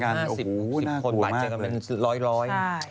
น่ากลัวมากเลย